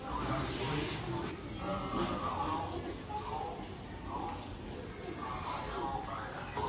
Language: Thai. สวัสดีครับ